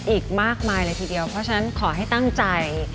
อีกมากมายเลยทีเดียวเพราะฉะนั้นขอให้ตั้งใจ